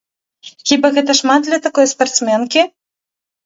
Хіба гэта шмат для такой спартсменкі?